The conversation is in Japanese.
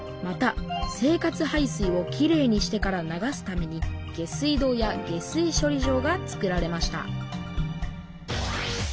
また生活排水をきれいにしてから流すために下水道や下水処理場がつくられました